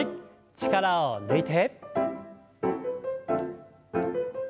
力を抜いて。